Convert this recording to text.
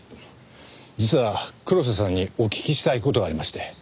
実は黒瀬さんにお聞きしたい事がありまして。